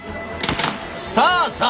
さあさあ